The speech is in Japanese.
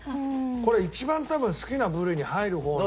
これ一番多分好きな部類に入る方の。